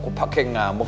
kok pakai ngamuk